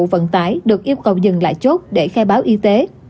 vận tải được yêu cầu dừng lại chốt để khai báo y tế